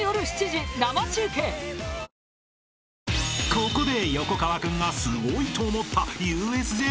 ［ここで］